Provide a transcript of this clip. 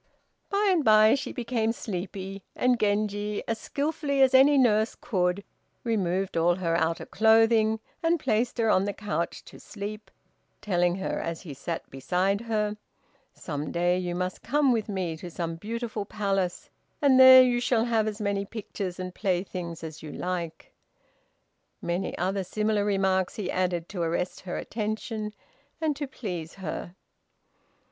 By and by she became sleepy, and Genji, as skilfully as any nurse could, removed all her outer clothing, and placed her on the couch to sleep, telling her as he sat beside her, "some day you must come with me to some beautiful palace, and there you shall have as many pictures and playthings as you like." Many other similar remarks he added to arrest her attention and to please her.